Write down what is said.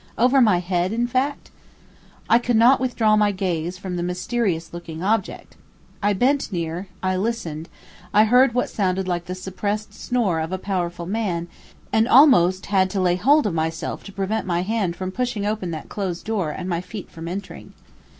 over my head in fact? I could not withdraw my gaze from the mysterious looking object. I bent near, I listened, I heard what sounded like the suppressed snore of a powerful man, and almost had to lay hold of myself to prevent my hand from pushing open that closed door and my feet from entering.